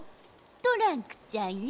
トランクちゃんよ。